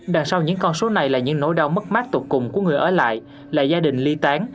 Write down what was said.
đằng sau những con số này là những nỗi đau mất mát tột cùng của người ở lại là gia đình ly tán